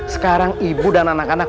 sekarang ibu dan anak anak